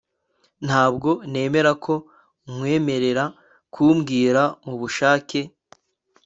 Ntabwo nemera ko nkwemerera kumbwira mubushake